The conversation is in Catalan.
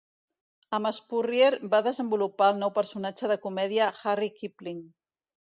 Amb Spurrier va desenvolupar el nou personatge de comèdia "Harry Kipling".